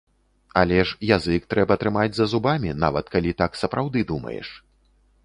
Але ж язык трэба трымаць за зубамі, нават калі так сапраўды думаеш.